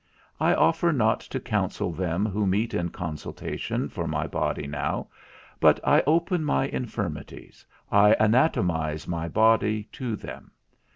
I offer not to counsel them who meet in consultation for my body now, but I open my infirmities, I anatomize my body to them.